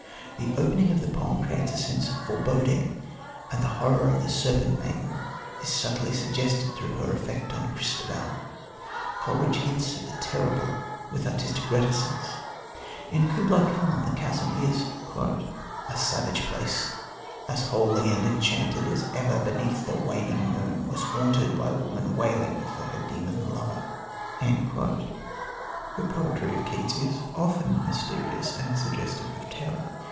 The opening of the poem creates a sense of foreboding, and the horror of the serpent maiden is subtly suggested through her effect on Christabel. Coleridge hints at the terrible with artistic reticence. In Kubla Khan the chasm is: "A savage place! as holy and enchanted As e'er beneath a waning moon was haunted By woman wailing for her demon lover." The poetry of Keats is often mysterious and suggestive of terror.